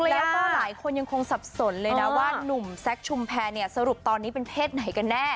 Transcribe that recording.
แล้วก็หลายคนยังคงสับสนเลยนะว่านุ่มแซคชุมแพรเนี่ยสรุปตอนนี้เป็นเพศไหนกันแน่